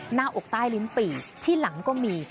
หน้าอกใต้ลิ้นปี่ที่หลังก็มี